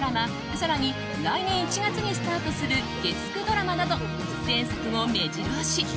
更に、来年１月にスタートする月９ドラマなど出演作も目白押し。